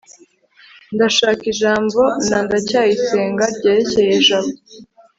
ndashaka ijambo na ndacyayisenga ryerekeye jabo